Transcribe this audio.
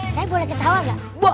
saya boleh ketawa gak